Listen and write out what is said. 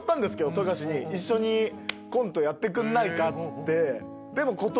富樫に一緒にコントやってくんないかって。